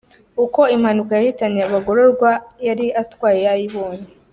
Uko impanuka yahitanye abagororwa yari atwaye yayibonye.